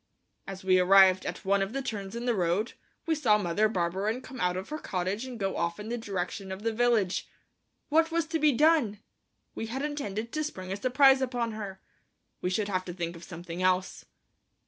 As we arrived at one of the turns in the road, we saw Mother Barberin come out of her cottage and go off in the direction of the village. What was to be done? We had intended to spring a surprise upon her. We should have to think of something else.